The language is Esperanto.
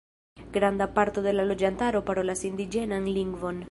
Granda parto de la loĝantaro parolas indiĝenan lingvon.